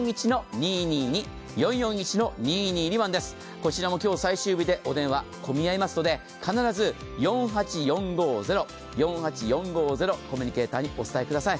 こちらも今日最終日でお電話混み合いますので、必ず４８４５０、コミュニケーターにお伝えください。